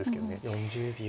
４０秒。